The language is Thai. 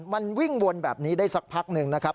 มันวิ่งวนแบบนี้ได้สักพักหนึ่งนะครับ